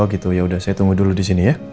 oh gitu ya udah saya tunggu dulu di sini ya